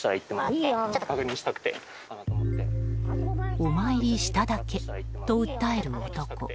お参りしただけと訴える男。